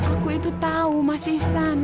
aku itu tahu mas isan